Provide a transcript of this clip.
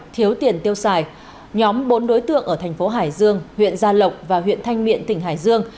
thiếu tiền tiêu xài nhóm bốn đối tượng ở thành phố hải dương huyện gia lộc và huyện thanh miện tỉnh hải dương